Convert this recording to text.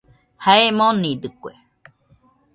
Jae monidɨkue